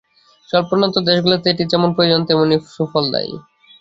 স্বল্পোন্নত দেশগুলোতে এটি যেমন প্রয়োজন, তেমনি সুফলদায়ী।